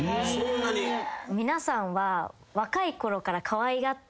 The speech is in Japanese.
皆さんは。